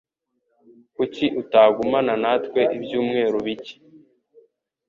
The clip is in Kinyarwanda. Kuki utagumana natwe ibyumweru bike